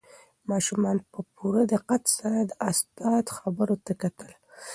ماشومانو په پوره دقت سره د استاد خبرو ته کتل.